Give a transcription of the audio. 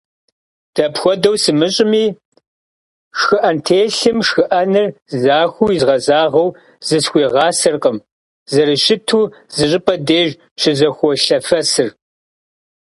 Дапхуэду сымыщӏыми, шхыӏэнтелъым шхыӏэныр захуэу изгъэзагъэу зысхуегъасэркъым, зэрыщыту зыщӏыпӏэ деж щызэхуолъэфэсыр.